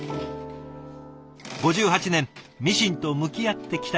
５８年ミシンと向き合ってきた